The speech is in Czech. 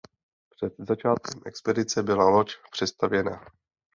Před začátkem expedice byla loď přestavěna.